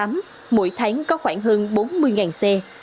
mỗi tháng có khoảng hơn bốn mươi xe